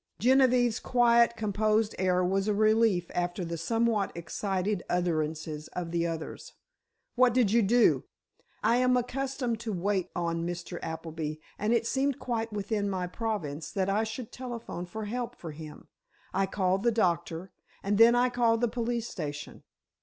Genevieve's quiet, composed air was a relief after the somewhat excited utterances of the others. "What did you do?" "I am accustomed to wait on Mr. Appleby, and it seemed quite within my province that I should telephone for help for him. I called the doctor—and then I called the police station."